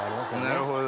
なるほど。